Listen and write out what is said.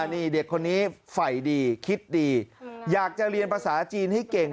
นี่เด็กคนนี้ไฟดีคิดดีอยากจะเรียนภาษาจีนให้เก่ง